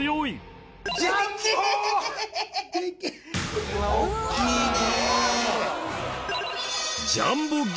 これは大っきいね。